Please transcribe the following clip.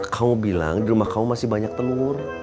kamu bilang di rumah kamu masih banyak telur